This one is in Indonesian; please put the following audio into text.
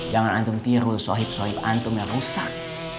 jangan antum tiru sohib sohib antum yang rusak